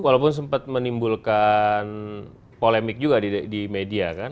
walaupun sempat menimbulkan polemik juga di media kan